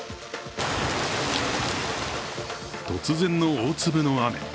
突然の大粒の雨。